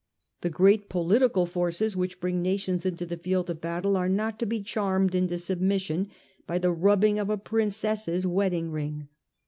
The great political forces which bring nations into the field of battle are not to be charmed into submission by the rubbing of a princess's wedding ring.